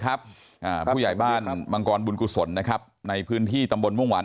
อ่าผู้ใหญ่บ้านมังกรบุญกุศลนะครับในพื้นที่ตำบลม่วงหวาน